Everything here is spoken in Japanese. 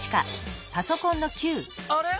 あれ？